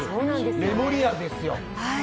メモリアルですよ。